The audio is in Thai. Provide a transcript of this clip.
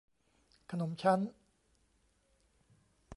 ขนมชั้น